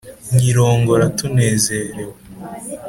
nyirongora tunezerewe